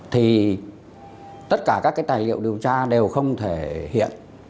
thì tất cả các tài liệu điều tra đều không thể hiện